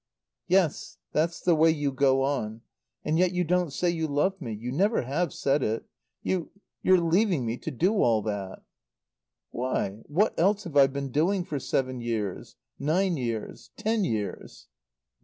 "Yes. That's the way you go on. And yet you don't, say you love me. You never have said it. You you're leaving me to do all that." "Why what else have I been doing for seven years? Nine years ten years?"